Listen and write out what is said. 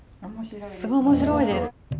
すごい面白いです。